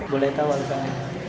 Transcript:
boleh tahu apa itu